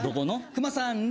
「くまさんに」